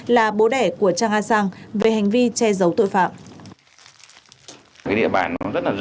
là bố đẻ của trang a sang về hành vi che giấu tội phạm